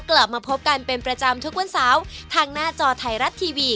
กลับมาพบกันเป็นประจำทุกวันเสาร์ทางหน้าจอไทยรัฐทีวี